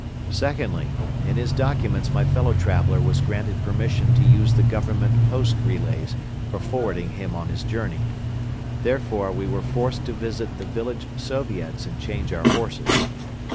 Secondly, in his documents my fellow traveler was granted permission to use the government post relays for forwarding him on his journey. Therefore, we were forced to visit the village Soviets and change our horses.